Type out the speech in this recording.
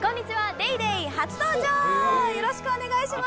『ＤａｙＤａｙ．』初登場、よろしくお願いします！